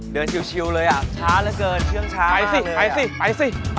ไปไปไป